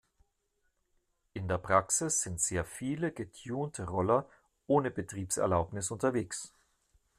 In der Praxis sind sehr viele getunte Roller ohne Betriebserlaubnis unterwegs.